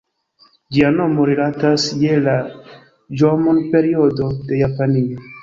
Ĝia nomo rilatas je la ĵomon-periodo de Japanio.